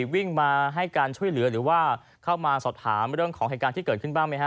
วิ่งมาให้การช่วยเหลือหรือว่าเข้ามาสอบถามเรื่องของเหตุการณ์ที่เกิดขึ้นบ้างไหมฮะ